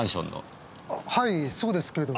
はいそうですけれど。